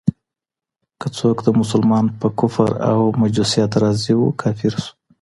که څوک د مسلمان په کفر او مجوسيت راضي وو، کافر سو.